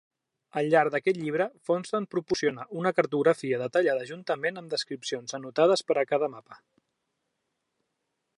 Al llarg d'aquest llibre, Fonstad proporciona una cartografia detallada juntament amb descripcions anotades per a cada mapa.